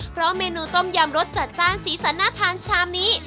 เพราะเมนูต้มยำรสจัดจ้านสีสันน่าทานชามนี้